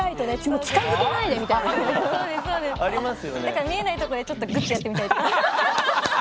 だから見えないところでちょっとグッてやってみたりとか。